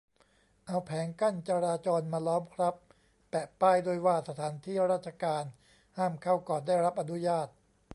เอาแผงกั้นจราจรมาล้อมครับ แปะป้ายด้วยว่าสถานที่ราชการห้ามเข้าก่อนได้รับอนุญาต